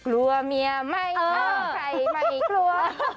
กลัวเมียไม่ชอบใครไม่กลัว